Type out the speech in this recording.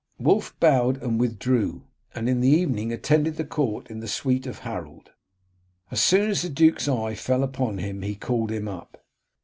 Wulf bowed and withdrew, and in the evening attended the court in the suite of Harold. As soon as the duke's eye fell upon him he called him up.